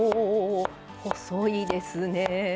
細いですね。